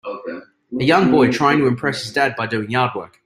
A young boy trying to impress his dad by doing yard work.